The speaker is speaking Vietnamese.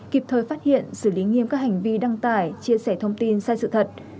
kịp thời phát hiện xử lý nghiêm các hành vi đăng tải chia sẻ thông tin sai sự thật